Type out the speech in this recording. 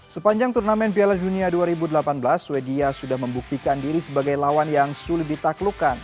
sepanjang turnamen piala dunia dua ribu delapan belas swedia sudah membuktikan diri sebagai lawan yang sulit ditaklukkan